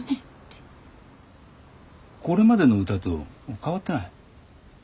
これまでの歌と変わってない。